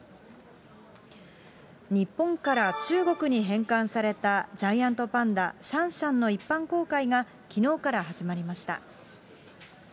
日本から中国に返還されたジャイアントパンダ、シャンシャンの一般公開がきのうから始まりました。